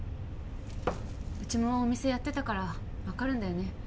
うちもお店やってたから分かるんだよね